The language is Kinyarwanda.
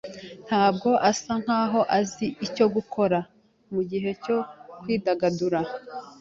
Ntabwo asa nkaho azi icyo gukora mugihe cyo kwidagadura.